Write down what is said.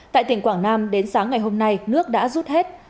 tại tỉnh quảng nam đến sáng ngày hôm nay nước đã rút hết